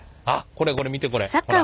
これこれ見てこれ。